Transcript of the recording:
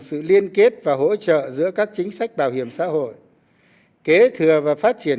sự liên kết và hỗ trợ giữa các chính sách bảo hiểm xã hội kế thừa và phát triển